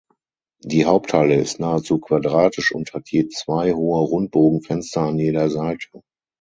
Die Haupthalle ist nahezu quadratisch und hat je zwei hohe Rundbogenfenster an jeder Seite.